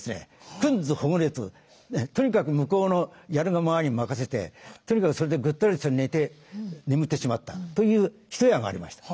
くんずほぐれつとにかく向こうのやるがままに任せてとにかくそれでぐったりと寝て眠ってしまったという一夜がありました。